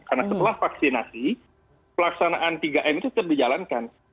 karena setelah vaksinasi pelaksanaan tiga m itu tetap dijalankan